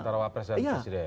antara wapret dan presiden